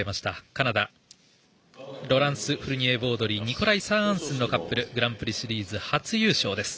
カナダのロランス・フルニエボードリーニゴライ・サアアンスンのカップルグランプリシリーズ初優勝です。